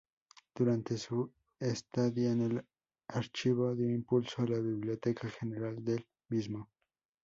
Durante su estadía en el Archivo dio impulso a la biblioteca general del mismo.